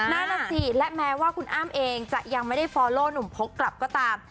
นั่นน่ะสิและแม้ว่าคุณอ้ำเองจะยังไม่ได้ฟอลโล่หนุ่มพกกลับก็ตาม